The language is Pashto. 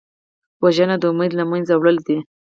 وژنه د امید له منځه وړل دي